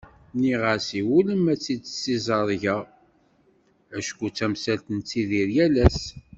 Nniɣ-as iwulem ad t-id-ssiẓergeɣ acku d tamsalt i nettidir yal ass.